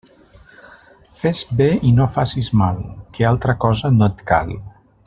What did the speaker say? Fes bé i no facis mal, que altra cosa no et cal.